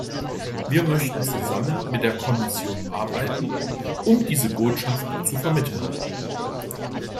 Wir möchten zusammen mit der Kommission arbeiten, um diese Botschaft zu vermitteln.